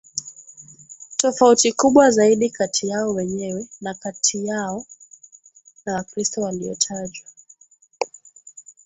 tofauti kubwa zaidi kati yao wenyewe na kati yao na Wakristo waliotajwa